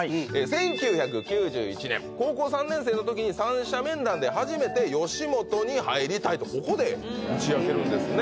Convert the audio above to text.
１９９１年高校３年生の時に三者面談で初めて「吉本に入りたい」とここで打ち明けるんですね